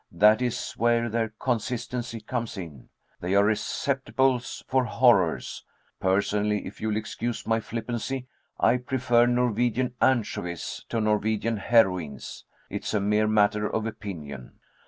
That is where their consistency comes in. They are receptacles for horrors. Personally, if you'll excuse my flippancy, I prefer Norwegian anchovies to Norwegian heroines. It is a mere matter of opinion."